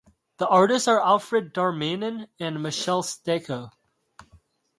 The artists are Alfred Darmanin and Michelle Stecco.